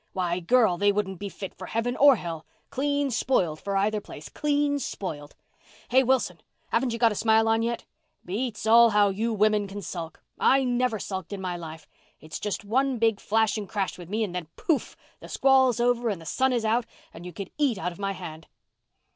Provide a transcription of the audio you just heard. Why, girl, they wouldn't be fit for heaven or hell—clean spoiled for either place—clean spoiled. Hey, Wilson, haven't you got a smile on yet? Beats all how you women can sulk! I never sulked in my life—it's just one big flash and crash with me and then—pouf—the squall's over and the sun is out and you could eat out of my hand."